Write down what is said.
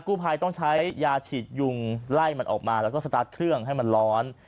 กู้ภัยต้องใช้ยาฉีดยุงไล่มันออกมาแล้วก็สตาร์ทเครื่องให้มันร้อน